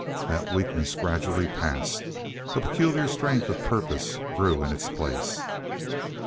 That weakness gradually passed. A peculiar strength of purpose grew in its place.